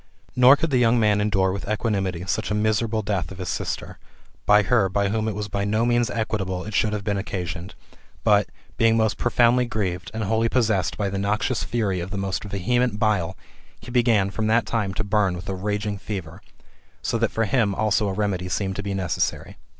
Nor could the young man endure with equanimity such a miserable death of his sister, by her by whom it was by no means equitable it should have been occasioned; but, being most profoundly grieved, and wholly possessed by the noxious fury of the most vehement bile, he began, from that time, to burn with a raging fever ; so that for him also a. remedy seemed to be necessary.